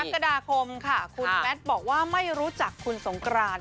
กรกฎาคมค่ะคุณแมทบอกว่าไม่รู้จักคุณสงกราน